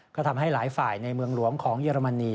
ก็ทำให้หลายฝ่ายในเมืองหลวงของเยอรมนี